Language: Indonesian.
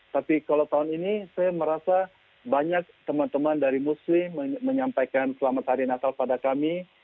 tapi kalau tahun ini saya merasa banyak teman teman dari muslim menyampaikan selamat hari natal pada kami